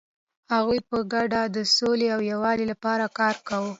هغوی په ګډه د سولې او یووالي لپاره کار کاوه.